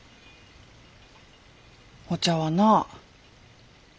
お茶はなあ